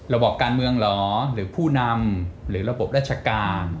บอกการเมืองเหรอหรือผู้นำหรือระบบราชการ